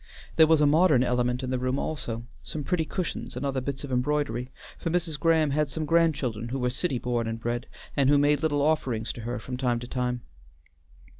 There was a modern element in the room also, some pretty cushions and other bits of embroidery; for Mrs. Graham had some grandchildren who were city born and bred, and who made little offerings to her from time to time.